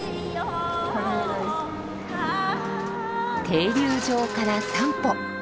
停留場から三歩。